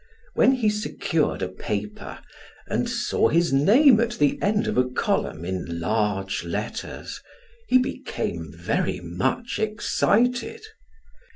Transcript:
When he secured a paper and saw his name at the end of a column in large letters, he became very much excited.